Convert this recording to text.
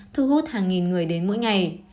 thu hút hàng nghìn người đến mỗi ngày